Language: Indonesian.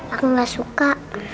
aku gak suka